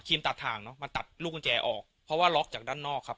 ตัดถ่างเนอะมาตัดลูกกุญแจออกเพราะว่าล็อกจากด้านนอกครับ